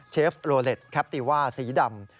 เชฟโลเล็ตแคปติว่าสีดำ